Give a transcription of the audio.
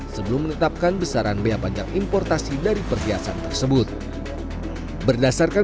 sebelum menetapkan besaran bea panjang importasi dari perhiasan tersebut berdasarkan